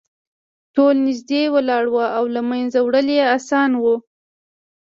ټول نږدې ولاړ وو او له منځه وړل یې اسانه وو